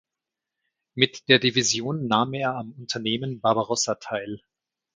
Mit der Division nahm er am Unternehmen Barbarossa teil.